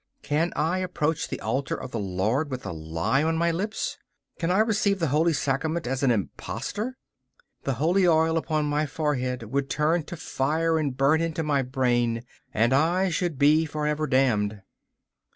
Can I approach the altar of the Lord with a lie on my lips? Can I receive the holy sacrament as an impostor? The holy oil upon my forehead would turn to fire and burn into my brain, and I should be for ever damned.